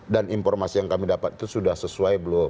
dan informasi yang kami dapat itu sudah sesuai belum